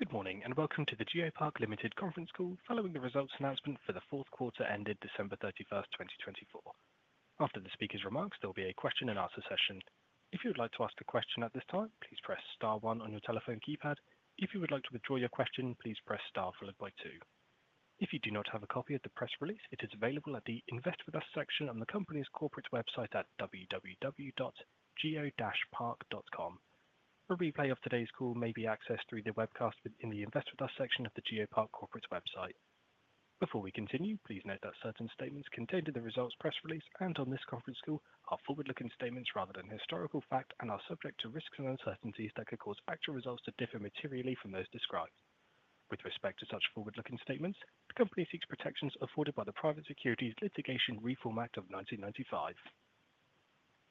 Good morning and welcome to the GeoPark Limited conference call following the results announcement for the fourth quarter ended December 31, 2024. After the speakers' remarks, there will be a question-and-answer session. If you would like to ask a question at this time, please press star one on your telephone keypad. If you would like to withdraw your question, please press star followed by two. If you do not have a copy of the press release, it is available at the Invest With Us section on the company's corporate website at www.geo-park.com. A replay of today's call may be accessed through the webcast within the Invest With Us section of the GeoPark corporate website. Before we continue, please note that certain statements contained in the results press release and on this conference call are forward-looking statements rather than historical fact and are subject to risks and uncertainties that could cause actual results to differ materially from those described. With respect to such forward-looking statements, the company seeks protections afforded by the Private Securities Litigation Reform Act of 1995.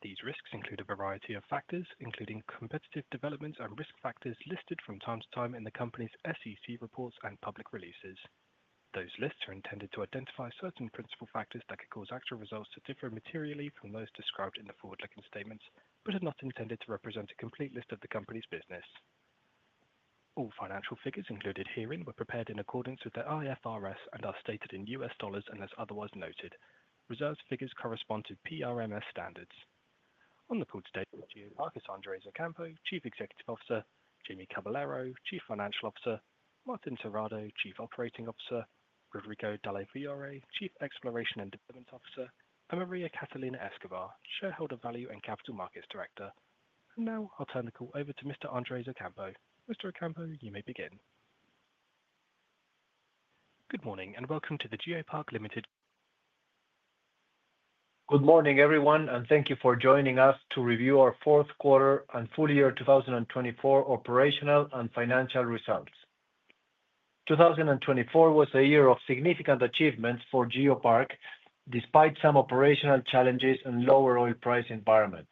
These risks include a variety of factors, including competitive developments and risk factors listed from time to time in the company's SEC reports and public releases. Those lists are intended to identify certain principal factors that could cause actual results to differ materially from those described in the forward-looking statements but are not intended to represent a complete list of the company's business. All financial figures included herein were prepared in accordance with the IFRS and are stated in US dollars unless otherwise noted. Reserve figures correspond to PRMS standards. On the call today are GeoPark's Andrés Ocampo, Chief Executive Officer; Jaime Caballero, Chief Financial Officer; Martín Terrado, Chief Operating Officer; Rodrigo Dalle Fiore, Chief Exploration and Development Officer; and Maria Catalina Escobar, Shareholder Value and Capital Markets Director. I will now turn the call over to Mr. Andrés Ocampo. Mr. Ocampo, you may begin. Good morning and welcome to GeoPark Limited. Good morning, everyone, and thank you for joining us to review our fourth quarter and full year 2024 operational and financial results. 2024 was a year of significant achievements for GeoPark despite some operational challenges and lower oil price environment.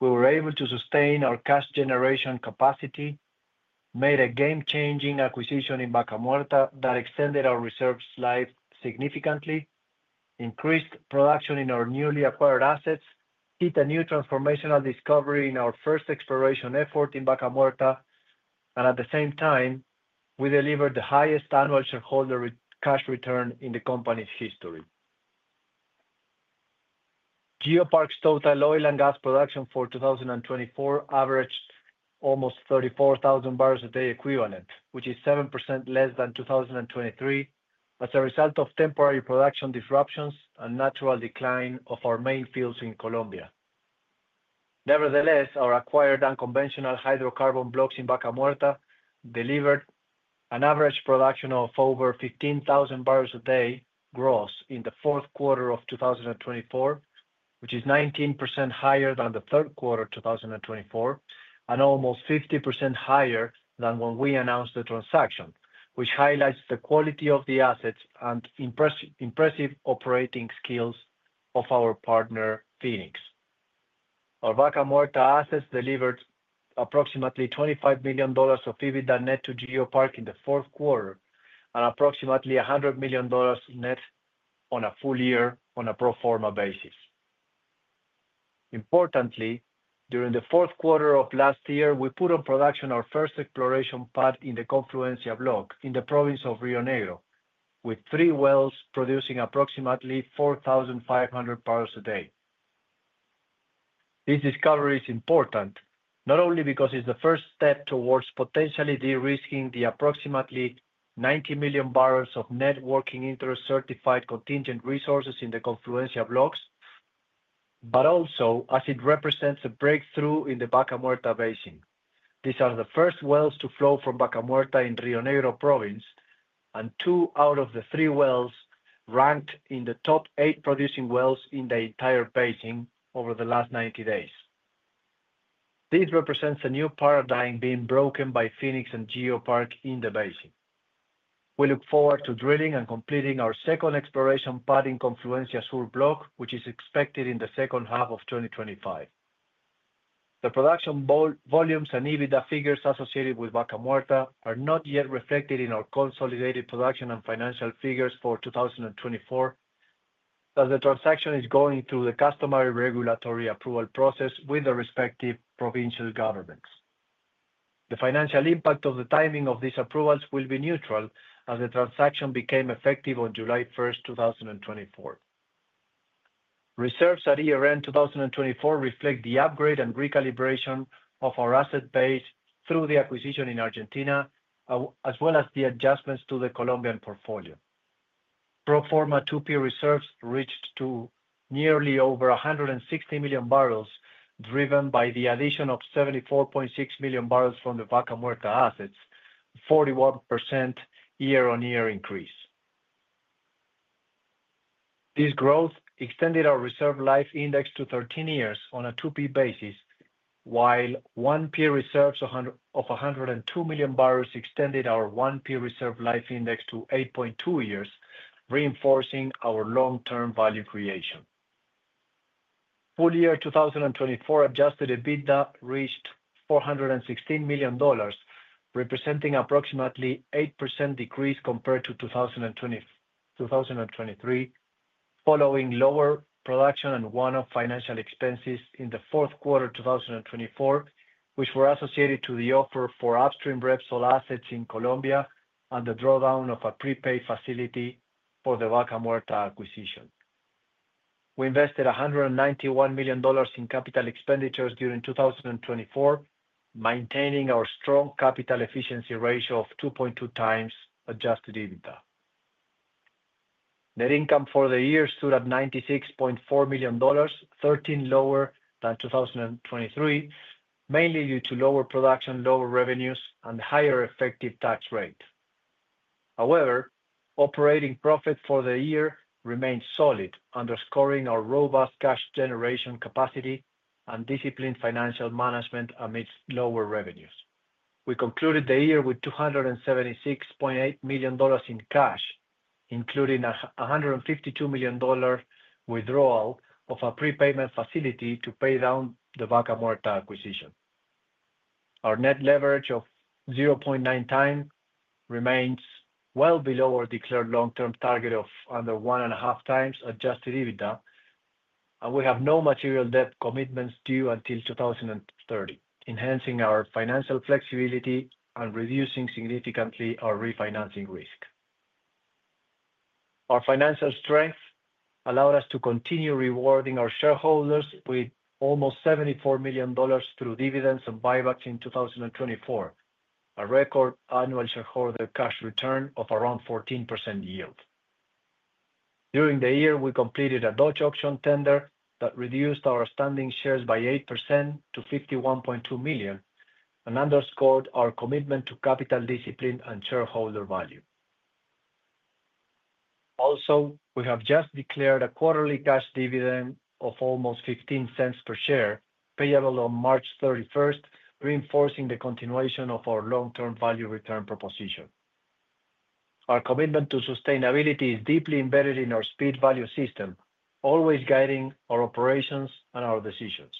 We were able to sustain our cash generation capacity, made a game-changing acquisition in Vaca Muerta that extended our reserves' life significantly, increased production in our newly acquired assets, hit a new transformational discovery in our first exploration effort in Vaca Muerta, and at the same time, we delivered the highest annual shareholder cash return in the company's history. GeoPark's total oil and gas production for 2024 averaged almost 34,000 barrels a day equivalent, which is 7% less than 2023 as a result of temporary production disruptions and natural decline of our main fields in Colombia. Nevertheless, our acquired unconventional hydrocarbon blocks in Vaca Muerta delivered an average production of over 15,000 barrels a day gross in the fourth quarter of 2024, which is 19% higher than the third quarter of 2024 and almost 50% higher than when we announced the transaction, which highlights the quality of the assets and impressive operating skills of our partner, Phoenix. Our Vaca Muerta assets delivered approximately $25 million of EBITDA net to GeoPark in the fourth quarter and approximately $100 million net on a full year on a pro forma basis. Importantly, during the fourth quarter of last year, we put on production our first exploration pad in the Confluencia block in the province of Rio Negro, with three wells producing approximately 4,500 barrels a day. This discovery is important not only because it's the first step towards potentially de-risking the approximately 90 million barrels of net working interest certified contingent resources in the Confluencia blocks, but also as it represents a breakthrough in the Vaca Muerta basin. These are the first wells to flow from Vaca Muerta in Rio Negro Province and two out of the three wells ranked in the top eight producing wells in the entire basin over the last 90 days. This represents a new paradigm being broken by Phoenix and GeoPark in the basin. We look forward to drilling and completing our second exploration pad in Confluencia Sur block, which is expected in the second half of 2025. The production volumes and EBITDA figures associated with Vaca Muerta are not yet reflected in our consolidated production and financial figures for 2024, as the transaction is going through the customary regulatory approval process with the respective provincial governments. The financial impact of the timing of these approvals will be neutral as the transaction became effective on July 1, 2024. Reserves at year-end 2024 reflect the upgrade and recalibration of our asset base through the acquisition in Argentina, as well as the adjustments to the Colombian portfolio. Pro forma 2P reserves reached nearly over 160 million barrels driven by the addition of 74.6 million barrels from the Vaca Muerta assets, a 41% year-on-year increase. This growth extended our reserve life index to 13 years on a 2P basis, while 1P reserves of 102 million barrels extended our 1P reserve life index to 8.2 years, reinforcing our long-term value creation. Full year 2024 adjusted EBITDA reached $416 million, representing an approximately 8% decrease compared to 2023, following lower production and one-off financial expenses in the fourth quarter 2024, which were associated with the offer for upstream Repsol assets in Colombia and the drawdown of a prepayment facility for the Vaca Muerta acquisition. We invested $191 million in capital expenditures during 2024, maintaining our strong capital efficiency ratio of 2.2 times adjusted EBITDA. Net income for the year stood at $96.4 million, 13% lower than 2023, mainly due to lower production, lower revenues, and higher effective tax rate. However, operating profit for the year remained solid, underscoring our robust cash generation capacity and disciplined financial management amidst lower revenues. We concluded the year with $276.8 million in cash, including a $152 million withdrawal of a prepayment facility to pay down the Vaca Muerta acquisition. Our net leverage of 0.9 times remains well below our declared long-term target of under one and a half times adjusted EBITDA, and we have no material debt commitments due until 2030, enhancing our financial flexibility and reducing significantly our refinancing risk. Our financial strength allowed us to continue rewarding our shareholders with almost $74 million through dividends and buybacks in 2024, a record annual shareholder cash return of around 14% yield. During the year, we completed a Dutch auction tender that reduced our standing shares by 8% to 51.2 million and underscored our commitment to capital discipline and shareholder value. Also, we have just declared a quarterly cash dividend of almost $0.15 per share, payable on March 31, reinforcing the continuation of our long-term value return proposition. Our commitment to sustainability is deeply embedded in our SPEED value system, always guiding our operations and our decisions.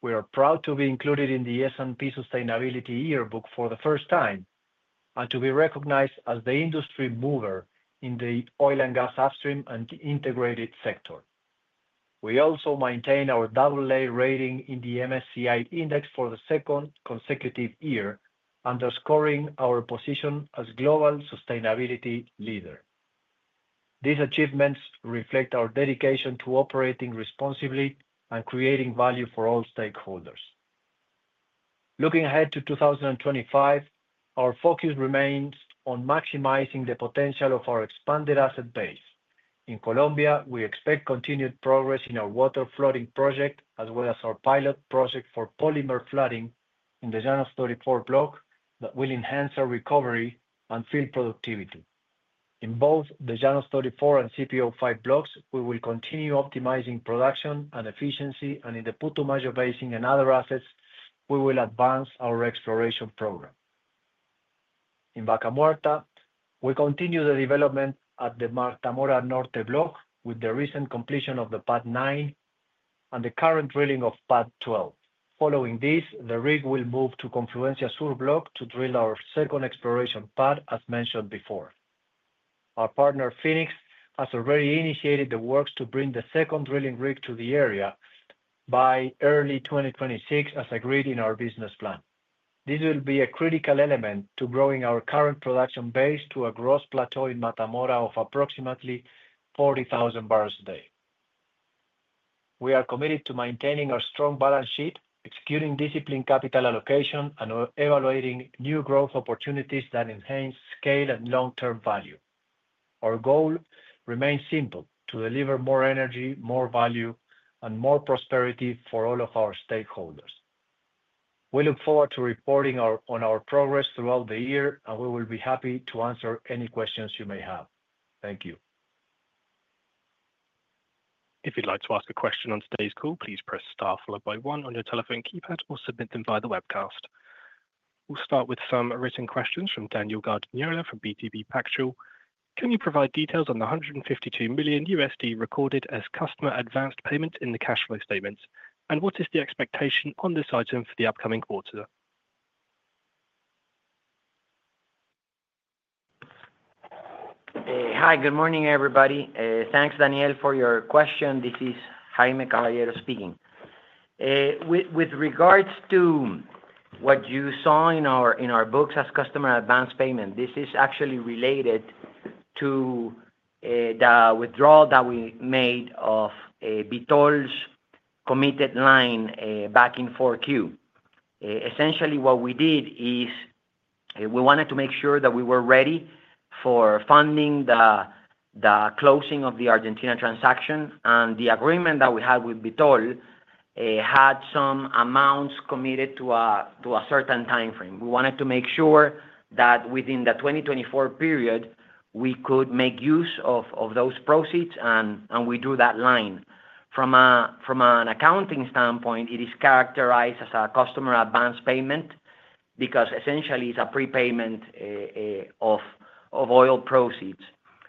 We are proud to be included in the S&P Sustainability Yearbook for the first time and to be recognized as the industry mover in the oil and gas upstream and integrated sector. We also maintain our AA rating in the MSCI index for the second consecutive year, underscoring our position as global sustainability leader. These achievements reflect our dedication to operating responsibly and creating value for all stakeholders. Looking ahead to 2025, our focus remains on maximizing the potential of our expanded asset base. In Colombia, we expect continued progress in our water flooding project, as well as our pilot project for polymer flooding in the Llanos 34 block that will enhance our recovery and field productivity. In both the Llanos 34 and CPO-5 blocks, we will continue optimizing production and efficiency, and in the Putumayo Basin and other assets, we will advance our exploration program. In Vaca Muerta, we continue the development at the Mata Mora Norte block with the recent completion of the pad 9 and the current drilling of pad 12. Following this, the rig will move to Confluencia Sur block to drill our second exploration pad, as mentioned before. Our partner, Phoenix, has already initiated the works to bring the second drilling rig to the area by early 2026, as agreed in our business plan. This will be a critical element to growing our current production base to a gross plateau in Mata Mora of approximately 40,000 barrels a day. We are committed to maintaining our strong balance sheet, executing disciplined capital allocation, and evaluating new growth opportunities that enhance scale and long-term value. Our goal remains simple: to deliver more energy, more value, and more prosperity for all of our stakeholders. We look forward to reporting on our progress throughout the year, and we will be happy to answer any questions you may have. Thank you. If you'd like to ask a question on today's call, please press star followed by one on your telephone keypad or submit them via the webcast. We'll start with some written questions from Daniel Guardiola from BTG Pactual. Can you provide details on the $152 million recorded as customer advanced payment in the cash flow statements, and what is the expectation on this item for the upcoming quarter? Hi, good morning, everybody. Thanks, Daniel, for your question. This is Jaime Caballero speaking. With regards to what you saw in our books as customer advanced payment, this is actually related to the withdrawal that we made of Vitol's committed line back in Q4. Essentially, what we did is we wanted to make sure that we were ready for funding the closing of the Argentina transaction, and the agreement that we had with Vitol had some amounts committed to a certain time frame. We wanted to make sure that within the 2024 period, we could make use of those proceeds, and we drew that line. From an accounting standpoint, it is characterized as a customer advanced payment because essentially it's a prepayment of oil proceeds.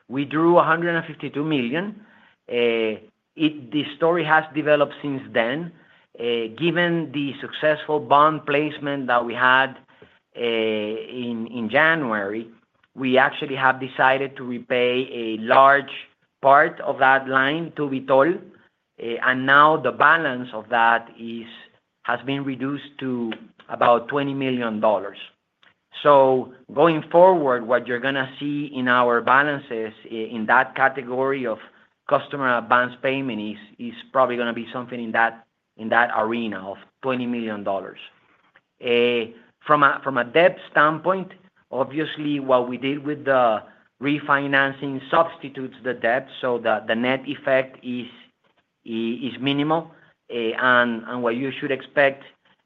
We drew $152 million. The story has developed since then. Given the successful bond placement that we had in January, we actually have decided to repay a large part of that line to Vitol, and now the balance of that has been reduced to about $20 million. Going forward, what you're going to see in our balances in that category of customer advanced payment is probably going to be something in that arena of $20 million. From a debt standpoint, obviously, what we did with the refinancing substitutes the debt so that the net effect is minimal, and what you should expect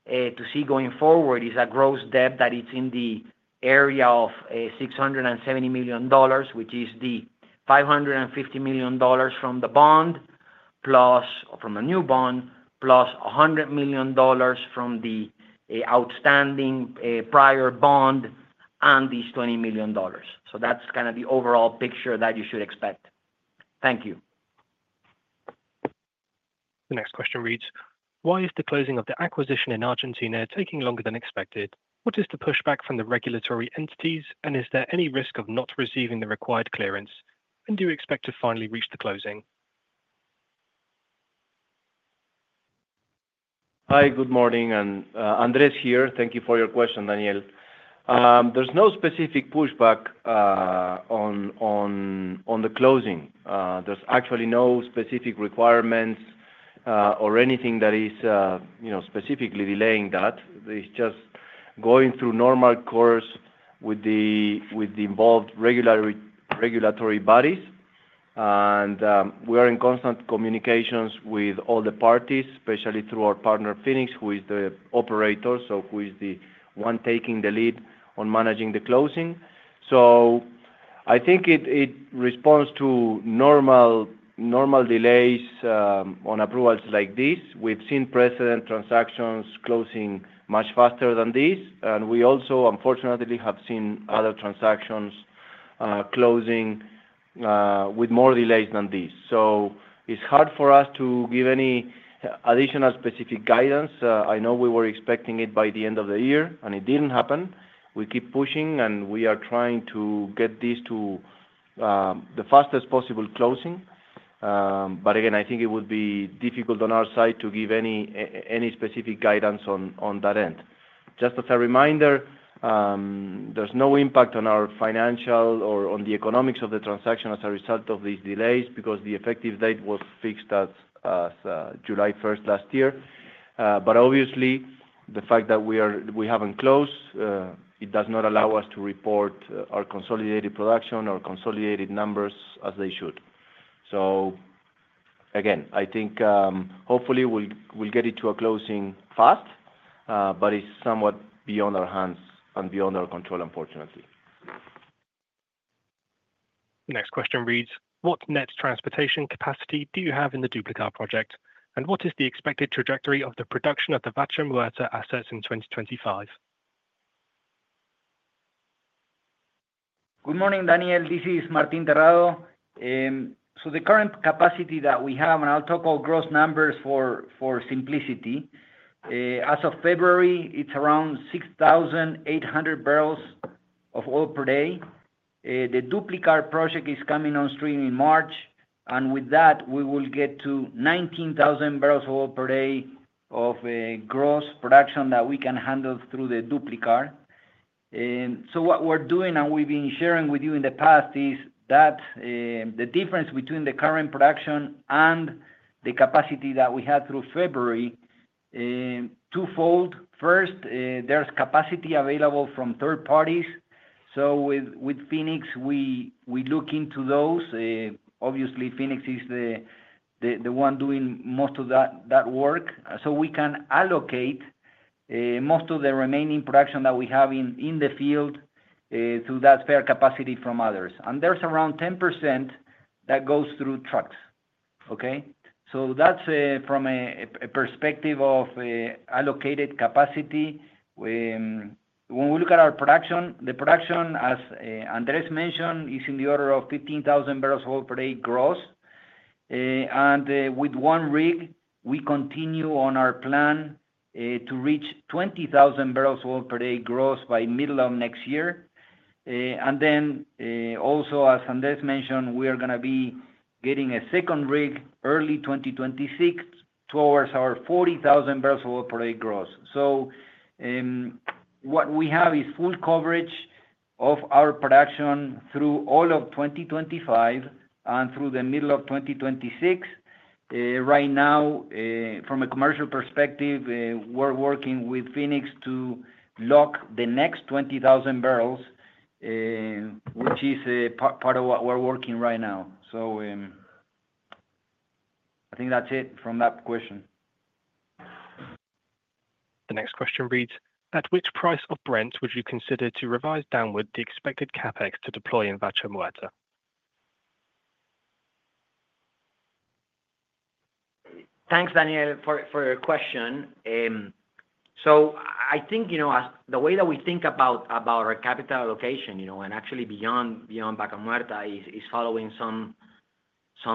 to see going forward is a gross debt that is in the area of $670 million, which is the $550 million from the bond, plus from the new bond, plus $100 million from the outstanding prior bond, and these $20 million. That is kind of the overall picture that you should expect. Thank you. The next question reads, why is the closing of the acquisition in Argentina taking longer than expected? What is the pushback from the regulatory entities, and is there any risk of not receiving the required clearance, and do you expect to finally reach the closing? Hi, good morning, and Andrés here. Thank you for your question, Daniel. There is no specific pushback on the closing. There is actually no specific requirements or anything that is specifically delaying that. It is just going through normal course with the involved regulatory bodies, and we are in constant communications with all the parties, especially through our partner, Phoenix, who is the operator, so who is the one taking the lead on managing the closing. I think it responds to normal delays on approvals like these. We have seen precedent transactions closing much faster than these, and we also, unfortunately, have seen other transactions closing with more delays than these. It is hard for us to give any additional specific guidance. I know we were expecting it by the end of the year, and it did not happen. We keep pushing, and we are trying to get this to the fastest possible closing. Again, I think it would be difficult on our side to give any specific guidance on that end. Just as a reminder, there's no impact on our financial or on the economics of the transaction as a result of these delays because the effective date was fixed as July 1 last year. Obviously, the fact that we haven't closed does not allow us to report our consolidated production or consolidated numbers as they should. Again, I think hopefully we'll get it to a closing fast, but it's somewhat beyond our hands and beyond our control, unfortunately. The next question reads, what net transportation capacity do you have in the DUPLICAR project, and what is the expected trajectory of the production of the Vaca Muerta assets in 2025? Good morning, Daniel. This is Martín Terrado. The current capacity that we have, and I'll talk about gross numbers for simplicity. As of February, it's around 6,800 barrels of oil per day. The DUPLICAR project is coming on stream in March, and with that, we will get to 19,000 barrels of oil per day of gross production that we can handle through the DUPLICAR. What we're doing, and we've been sharing with you in the past, is that the difference between the current production and the capacity that we had through February is twofold. First, there's capacity available from third parties. With Phoenix, we look into those. Obviously, Phoenix is the one doing most of that work. We can allocate most of the remaining production that we have in the field to that spare capacity from others. There's around 10% that goes through trucks. Okay? That's from a perspective of allocated capacity. When we look at our production, the production, as Andrés mentioned, is in the order of 15,000 barrels of oil per day gross. With one rig, we continue on our plan to reach 20,000 barrels of oil per day gross by middle of next year. Also, as Andrés mentioned, we are going to be getting a second rig early 2026 towards our 40,000 barrels of oil per day gross. What we have is full coverage of our production through all of 2025 and through the middle of 2026. Right now, from a commercial perspective, we're working with Phoenix to lock the next 20,000 barrels, which is part of what we're working right now. I think that's it from that question. The next question reads, at which price of Brent would you consider to revise downward the expected CapEx to deploy in Vaca Muerta? Thanks, Daniel, for your question. I think the way that we think about our capital allocation, and actually beyond Vaca Muerta, is following some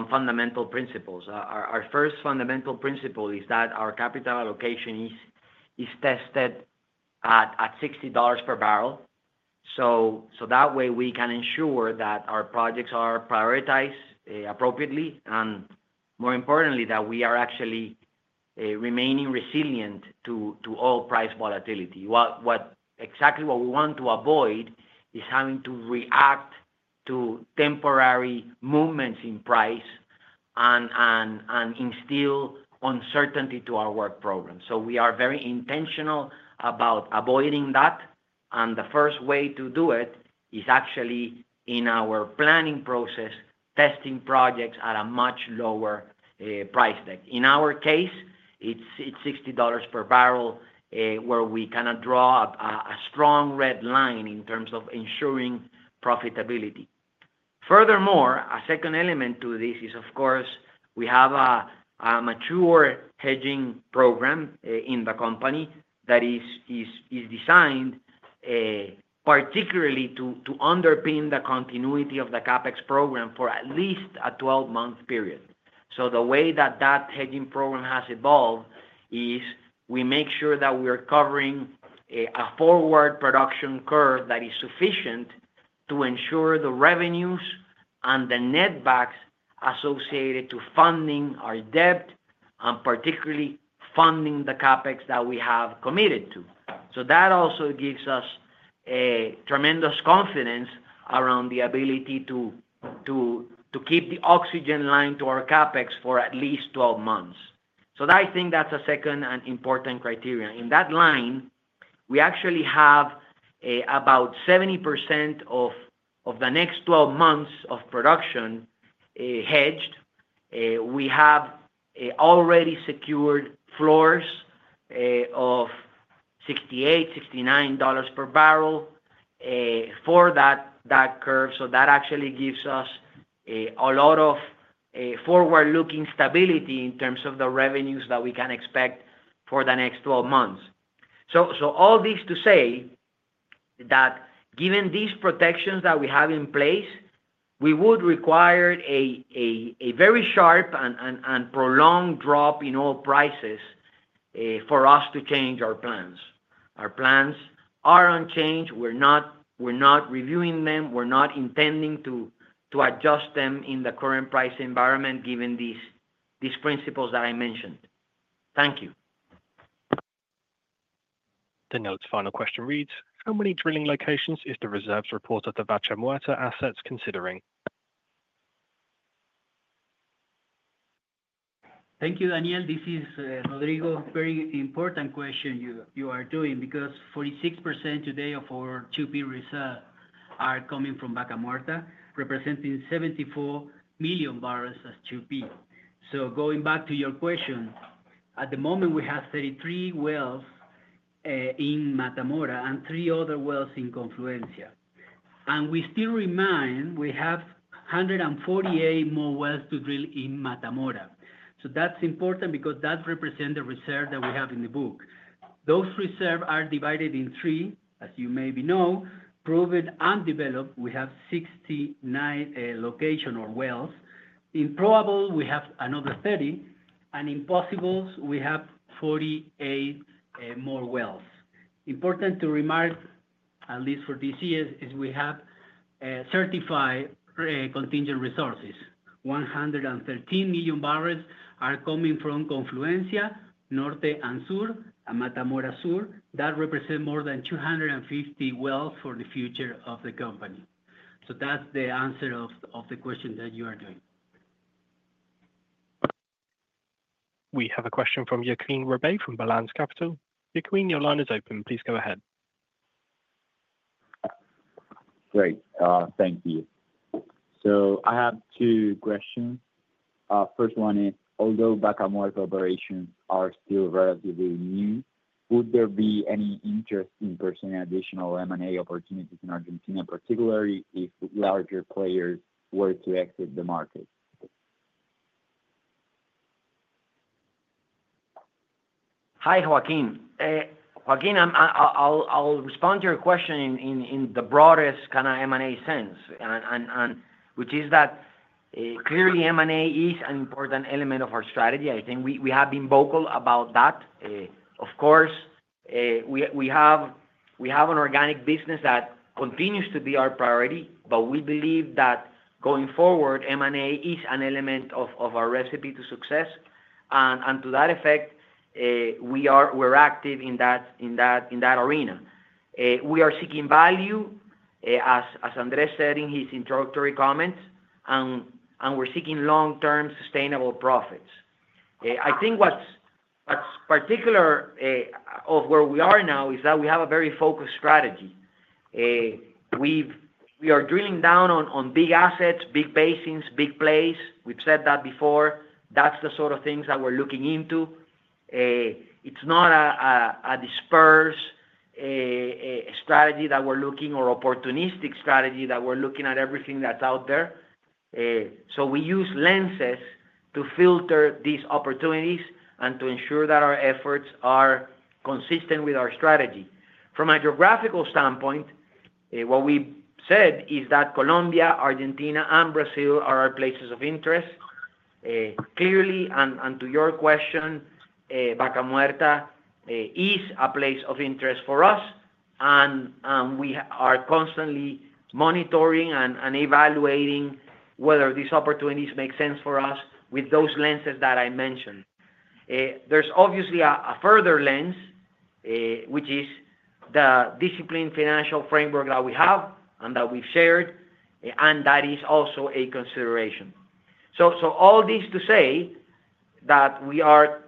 fundamental principles. Our first fundamental principle is that our capital allocation is tested at $60 per barrel. That way, we can ensure that our projects are prioritized appropriately and, more importantly, that we are actually remaining resilient to oil price volatility. Exactly what we want to avoid is having to react to temporary movements in price and instill uncertainty to our work program. We are very intentional about avoiding that, and the first way to do it is actually in our planning process, testing projects at a much lower price tag. In our case, it is $60 per barrel where we can draw a strong red line in terms of ensuring profitability. Furthermore, a second element to this is, of course, we have a mature hedging program in the company that is designed particularly to underpin the continuity of the CapEx program for at least a 12-month period. The way that that hedging program has evolved is we make sure that we are covering a forward production curve that is sufficient to ensure the revenues and the net back associated to funding our debt and particularly funding the CapEx that we have committed to. That also gives us tremendous confidence around the ability to keep the oxygen line to our CapEx for at least 12 months. I think that's a second and important criterion. In that line, we actually have about 70% of the next 12 months of production hedged. We have already secured floors of $68, $69 per barrel for that curve. That actually gives us a lot of forward-looking stability in terms of the revenues that we can expect for the next 12 months. All this to say that given these protections that we have in place, we would require a very sharp and prolonged drop in oil prices for us to change our plans. Our plans are unchanged. We're not reviewing them. We're not intending to adjust them in the current price environment given these principles that I mentioned. Thank you. Daniel's final question reads, how many drilling locations is the reserves report of the Vaca Muerta assets considering? Thank you, Daniel. This is Rodrigo, very important question you are doing because 46% today of our 2P reserves are coming from Vaca Muerta, representing 74 million barrels as 2P. Going back to your question, at the moment, we have 33 wells in Mata Mora and three other wells in Confluencia. We still remind we have 148 more wells to drill in Mata Mora. That is important because that represents the reserve that we have in the book. Those reserves are divided in three, as you may know, proven and developed. We have 69 locations or wells. In probable, we have another 30. In possibles, we have 48 more wells. Important to remark, at least for this year, is we have 35 contingent resources. 113 million barrels are coming from Confluencia Norte and Sur, and Mata Mora Sur. That represents more than 250 wells for the future of the company. That's the answer of the question that you are doing. We have a question from Joaquin Ribeiro from Balance Capital. Joaquin, your line is open. Please go ahead. Great. Thank you. I have two questions. First one is, although Vaca Muerta operations are still relatively new, would there be any interest in pursuing additional M&A opportunities in Argentina, particularly if larger players were to exit the market? Hi, Joaquin. Joaquin, I'll respond to your question in the broadest kind of M&A sense, which is that clearly M&A is an important element of our strategy. I think we have been vocal about that. Of course, we have an organic business that continues to be our priority, but we believe that going forward, M&A is an element of our recipe to success. To that effect, we're active in that arena. We are seeking value, as Andrés said in his introductory comments, and we're seeking long-term sustainable profits. I think what's particular of where we are now is that we have a very focused strategy. We are drilling down on big assets, big basins, big plays. We've said that before. That's the sort of things that we're looking into. It's not a dispersed strategy that we're looking or opportunistic strategy that we're looking at everything that's out there. We use lenses to filter these opportunities and to ensure that our efforts are consistent with our strategy. From a geographical standpoint, what we said is that Colombia, Argentina, and Brazil are our places of interest. Clearly, and to your question, Vaca Muerta is a place of interest for us, and we are constantly monitoring and evaluating whether these opportunities make sense for us with those lenses that I mentioned. There is obviously a further lens, which is the disciplined financial framework that we have and that we have shared, and that is also a consideration. All this to say that we are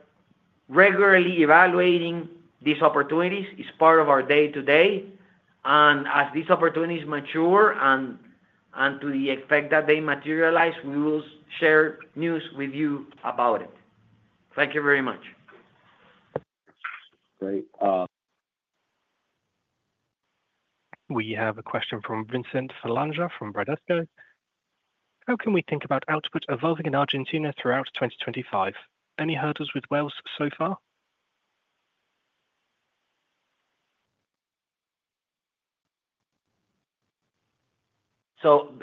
regularly evaluating these opportunities. It is part of our day-to-day. As these opportunities mature and to the effect that they materialize, we will share news with you about it. Thank you very much. Great. We have a question from Vicente Falanga from Bradesco. How can we think about output evolving in Argentina throughout 2025? Any hurdles with wells so far?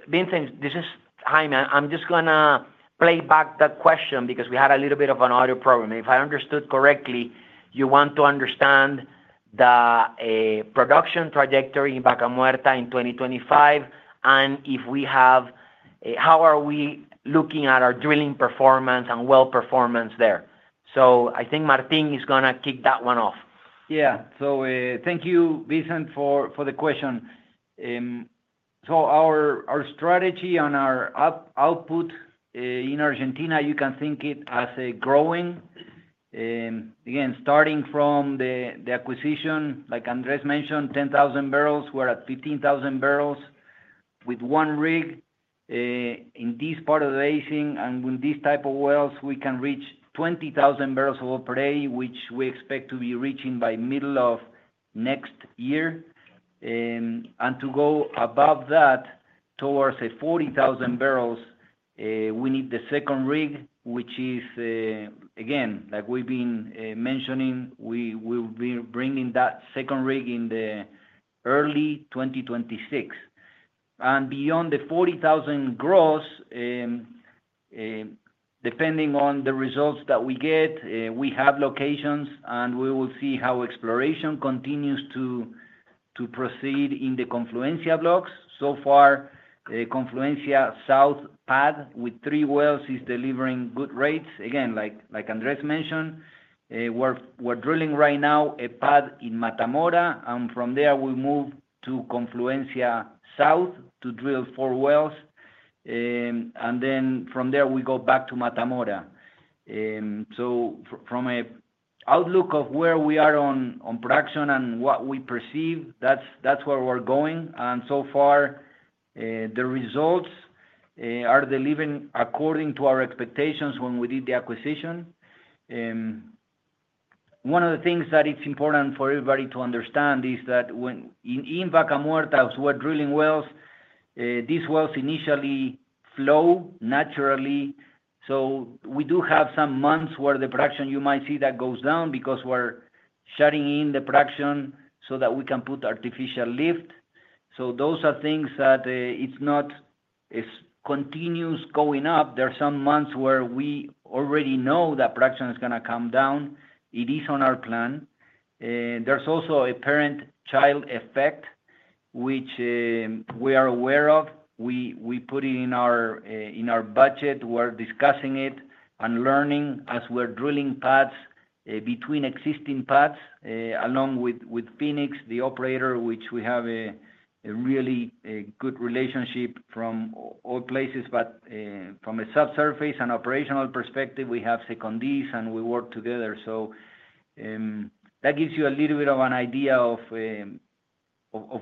Vincent, this is Jaime. I'm just going to play back that question because we had a little bit of an audio problem. If I understood correctly, you want to understand the production trajectory in Vaca Muerta in 2025, and if we have, how are we looking at our drilling performance and well performance there. I think Martín is going to kick that one off. Yeah. Thank you, Vincent, for the question. Our strategy on our output in Argentina, you can think it as a growing. Again, starting from the acquisition, like Andrés mentioned, 10,000 barrels. We're at 15,000 barrels with one rig in this part of the basin. With these type of wells, we can reach 20,000 barrels of oil per day, which we expect to be reaching by middle of next year. To go above that towards 40,000 barrels, we need the second rig, which is, again, like we've been mentioning, we will be bringing that second rig in early 2026. Beyond the 40,000 gross, depending on the results that we get, we have locations, and we will see how exploration continues to proceed in the Confluencia blocks. So far, Confluencia Sur pad with three wells is delivering good rates. Again, like Andrés mentioned, we're drilling right now a pad in Mata Mora, and from there, we move to Confluencia Sur to drill four wells. From there, we go back to Mata Mora. From an outlook of where we are on production and what we perceive, that's where we're going. So far, the results are delivering according to our expectations when we did the acquisition. One of the things that it's important for everybody to understand is that in Vaca Muerta, as we're drilling wells, these wells initially flow naturally. We do have some months where the production you might see that goes down because we're shutting in the production so that we can put artificial lift. Those are things that it's not continuous going up. There are some months where we already know that production is going to come down. It is on our plan. There's also a parent-child effect, which we are aware of. We put it in our budget. We're discussing it and learning as we're drilling pads between existing pads along with Phoenix, the operator, which we have a really good relationship from all places. From a subsurface and operational perspective, we have secondies, and we work together. That gives you a little bit of an idea of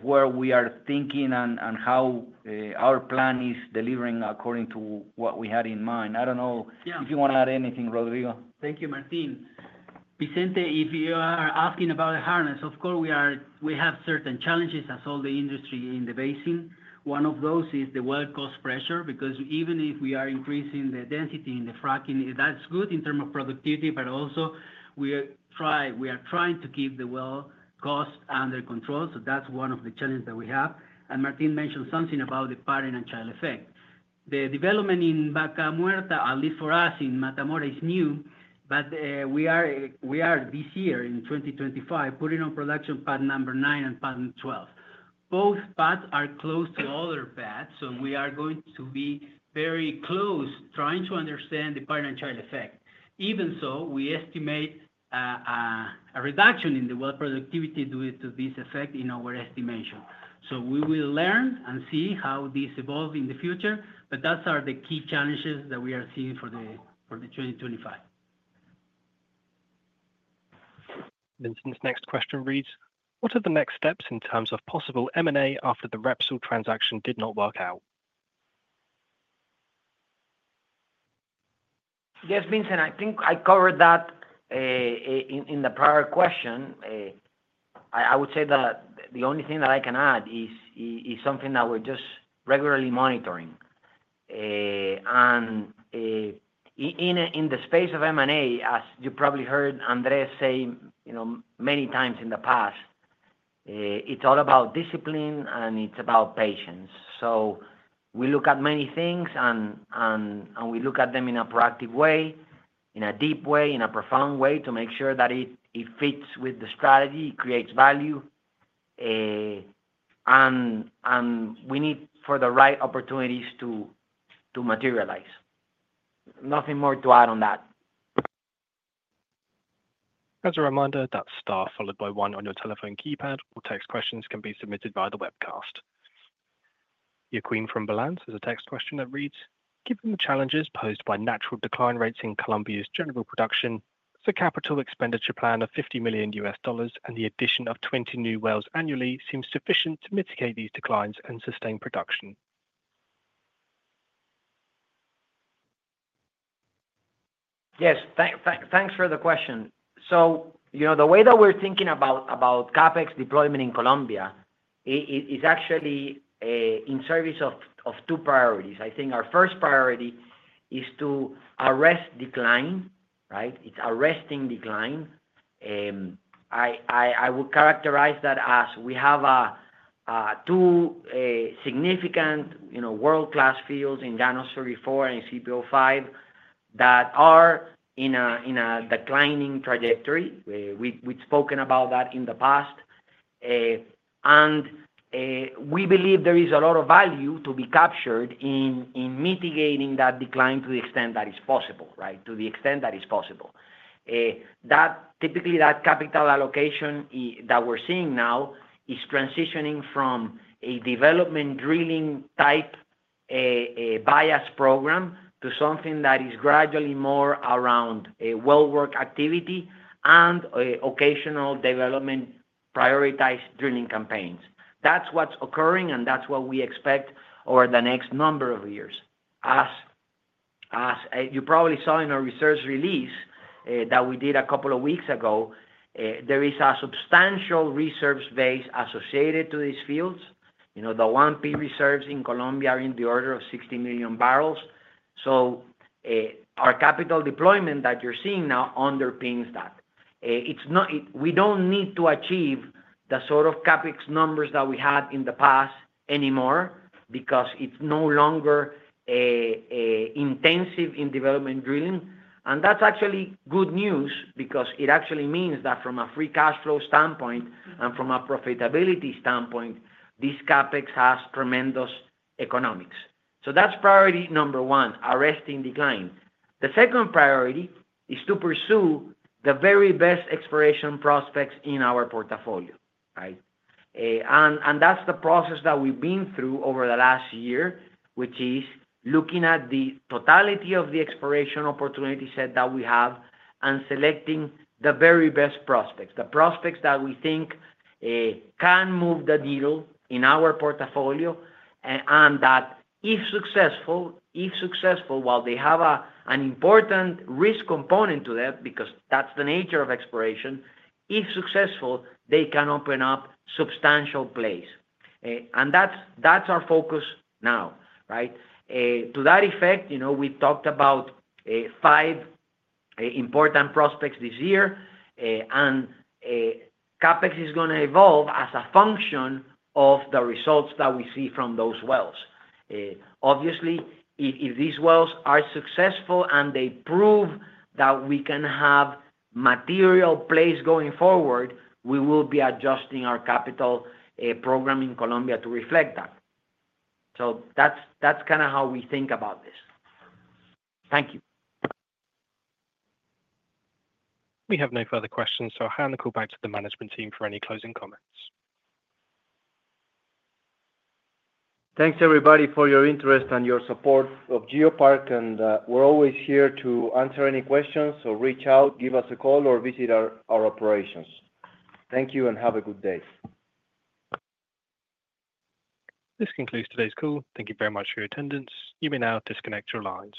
where we are thinking and how our plan is delivering according to what we had in mind. I don't know if you want to add anything, Rodrigo. Thank you, Martín. Vicente, if you are asking about the harness, of course, we have certain challenges as all the industry in the basin. One of those is the well cost pressure because even if we are increasing the density in the fracking, that's good in terms of productivity, but also we are trying to keep the well cost under control. That is one of the challenges that we have. Martín mentioned something about the parent-child effect. The development in Vaca Muerta, at least for us in Mata Mora, is new, but we are this year in 2025 putting on production pad number 9 and pad 12. Both pads are close to other pads, so we are going to be very close trying to understand the parent-child effect. Even so, we estimate a reduction in the well productivity due to this effect in our estimation. We will learn and see how this evolves in the future, but those are the key challenges that we are seeing for 2025. Vincent's next question reads, what are the next steps in terms of possible M&A after the Repsol transaction did not work out? Yes, Vicente, I think I covered that in the prior question. I would say that the only thing that I can add is something that we're just regularly monitoring. In the space of M&A, as you probably heard Andrés say many times in the past, it's all about discipline and it's about patience. We look at many things and we look at them in a proactive way, in a deep way, in a profound way to make sure that it fits with the strategy, creates value, and we need for the right opportunities to materialize. Nothing more to add on that. As a reminder, that star followed by one on your telephone keypad or text questions can be submitted via the webcast. Joaquin Ribeiro from Balance Capital has a text question that reads, given the challenges posed by natural decline rates in Colombia's general production, the capital expenditure plan of $50 million and the addition of 20 new wells annually seems sufficient to mitigate these declines and sustain production. Yes, thanks for the question. The way that we're thinking about CapEx deployment in Colombia is actually in service of two priorities. I think our first priority is to arrest decline, right? It's arresting decline. I would characterize that as we have two significant world-class fields in Llanos 34 and CPO-5 that are in a declining trajectory. We've spoken about that in the past. We believe there is a lot of value to be captured in mitigating that decline to the extent that is possible, right? To the extent that is possible. Typically, that capital allocation that we're seeing now is transitioning from a development drilling type bias program to something that is gradually more around well work activity and occasional development prioritized drilling campaigns. That's what's occurring, and that's what we expect over the next number of years. As you probably saw in our research release that we did a couple of weeks ago, there is a substantial reserves base associated to these fields. The 1P reserves in Colombia are in the order of 60 million barrels. Our capital deployment that you're seeing now underpins that. We don't need to achieve the sort of CapEx numbers that we had in the past anymore because it's no longer intensive in development drilling. That is actually good news because it actually means that from a free cash flow standpoint and from a profitability standpoint, this CapEx has tremendous economics. That is priority number one, arresting decline. The second priority is to pursue the very best exploration prospects in our portfolio, right? That is the process that we have been through over the last year, which is looking at the totality of the exploration opportunity set that we have and selecting the very best prospects, the prospects that we think can move the needle in our portfolio. If successful, while they have an important risk component to that, because that is the nature of exploration, if successful, they can open up substantial plays. That is our focus now, right? To that effect, we talked about five important prospects this year, and CapEx is going to evolve as a function of the results that we see from those wells. Obviously, if these wells are successful and they prove that we can have material plays going forward, we will be adjusting our capital program in Colombia to reflect that. That is kind of how we think about this. Thank you. We have no further questions, so I'll hand the call back to the management team for any closing comments. Thanks, everybody, for your interest and your support of GeoPark. We are always here to answer any questions, so reach out, give us a call, or visit our operations. Thank you and have a good day. This concludes today's call. Thank you very much for your attendance. You may now disconnect your lines.